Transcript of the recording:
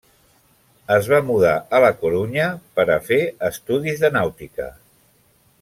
Es va mudar a La Corunya per a fer estudis de nàutica.